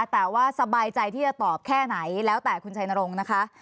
แต่ว่าสบายใจที่จะตอบแค่ไหนแล้วแต่คุณชัยนรงค์นะคะ